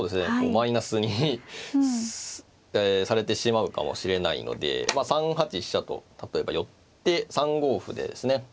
マイナスにされてしまうかもしれないので３八飛車と例えば寄って３五歩でですね